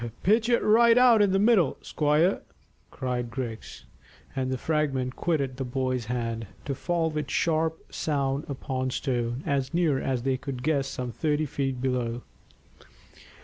"Pitch it right out in the middle, squire," cried Griggs, and the fragment quitted the boy's hand, to fall with a sharp sound upon stone, as near as they could guess some thirty feet below.